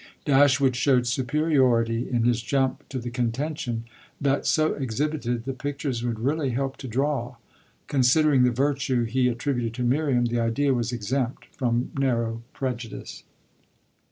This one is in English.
Dashwood showed superiority in his jump to the contention that so exhibited the pictures would really help to draw. Considering the virtue he attributed to Miriam the idea was exempt from narrow prejudice.